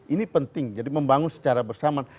ini penting jadi membangun secara bersamaan